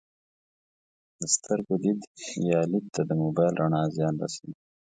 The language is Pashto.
د سترګو دید یا لید ته د موبایل رڼا زیان رسوي